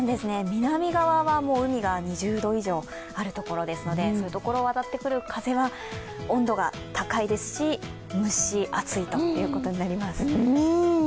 南側はもう海が２０度以上あるところですのでそういうところを渡ってくる風は温度が高いですし、蒸し暑いということになります。